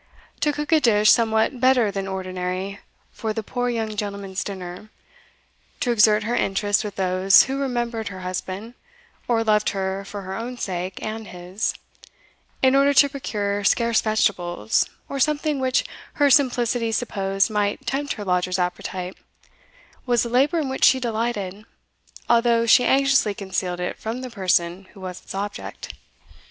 To cook a dish somewhat better than ordinary for "the poor young gentleman's dinner;" to exert her interest with those who remembered her husband, or loved her for her own sake and his, in order to procure scarce vegetables, or something which her simplicity supposed might tempt her lodger's appetite, was a labour in which she delighted, although she anxiously concealed it from the person who was its object.